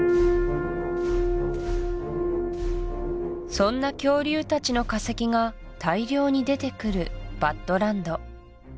そんな恐竜たちの化石が大量に出てくるバッドランド